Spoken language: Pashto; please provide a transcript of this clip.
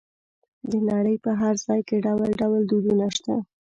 د نړۍ په هر ځای کې ډول ډول دودونه شته.